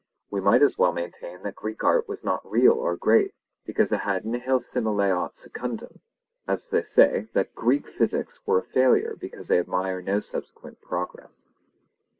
We might as well maintain that Greek art was not real or great, because it had nihil simile aut secundum, as say that Greek physics were a failure because they admire no subsequent progress.